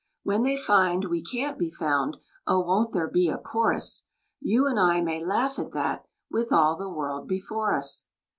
When they find we can't be found, oh won't there be a chorus! You and I may laugh at that, with all the world before us.